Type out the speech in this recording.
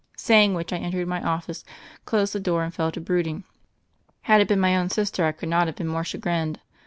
Saying which I entered my office, closed the door, and fell to brooding. Had it been my own sister, I could not have been more chagrined.